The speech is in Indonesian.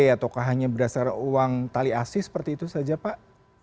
atau hanya berdasarkan uang tali asis seperti itu saja pak